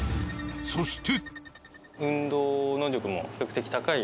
そして。